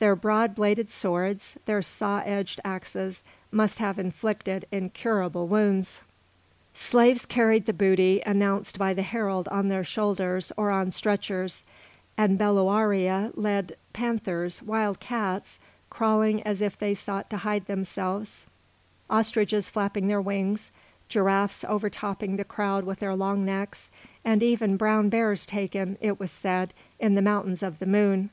Their broad bladed swords, their saw edged axes, must have inflicted incurable wounds. Slaves carried the booty announced by the herald on their shoulders or on stretchers, and belluaria led panthers, wild cats, crawling as if they sought to hide themselves, ostriches flapping their wings, giraffes overtopping the crowd with their long necks, and even brown bears taken, it was said, in the Mountains of the Moon.